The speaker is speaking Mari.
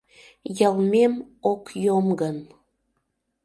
Йылмем ок йом гын.